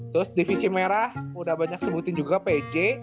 terus divisi merah udah banyak sebutin juga pc